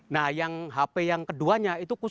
nah yang hp yang keduanya